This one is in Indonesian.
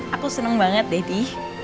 aku seneng banget daddy